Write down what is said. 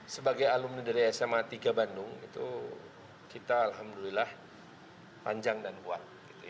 sebagai alumni dari sma tiga bandung itu kita alhamdulillah panjang dan kuat